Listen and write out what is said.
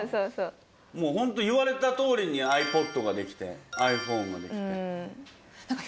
もうほんと言われたとおりにｉＰｏｄが出来てｉＰｈｏｎｅが出来て。